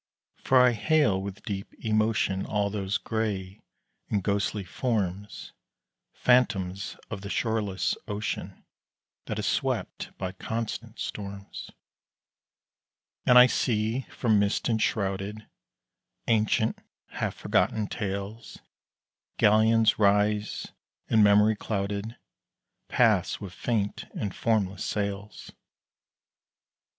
For I hail with deep emotion All those gray and ghostly forms, Phantoms of the shoreless ocean That is swept by constant storms. And I see from mist enshrouded, Ancient, half forgotten tales Galleons rise, and memory clouded, Pass with faint and formless sails.